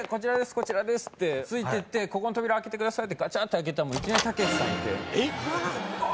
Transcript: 「こちらです」ってついてって「ここの扉開けてください」ってガチャって開けたらいきなりたけしさんいてえっ！？